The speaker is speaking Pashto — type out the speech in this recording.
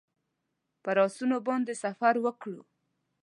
پر آسونو باندې سفر وکړو.